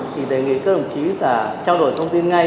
thì đề nghị các đồng chí là trao đổi thông tin ngay